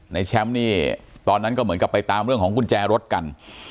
ในแชมป์นี่ตอนนั้นก็เหมือนกับไปตามเรื่องของกุญแจรถกัน